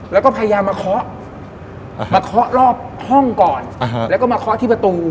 แล้วก็พยายามมาเคาะมาเคาะรอบห้องก่อนแล้วก็มาเคาะที่ประตู